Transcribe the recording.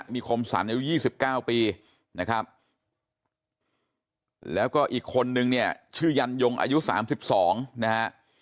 มีคมสรรอายุ๒๙ปีนะครับแล้วก็อีกคนนึงเนี่ยชื่อยันยงอายุ๓๒นะฮะ